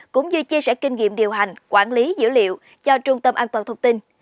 cũng như chia sẻ kinh nghiệm điều hành quản lý dữ liệu cho trung tâm an toàn thông tin